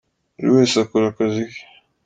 buriwese akora akazi ke.